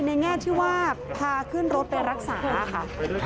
แง่ที่ว่าพาขึ้นรถไปรักษาค่ะ